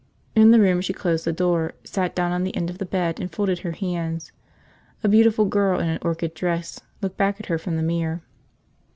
In the room she closed the door, sat down on the end of the bed, and folded her hands. A beautiful girl in an orchid dress looked back at her from the mirror.